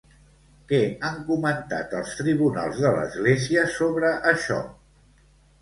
Què han comentat els tribunals de l'Església sobre això?